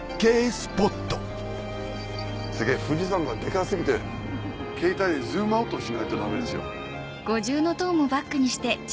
スポットすげぇ富士山がデカ過ぎてケータイでズームアウトしないとダメですよ。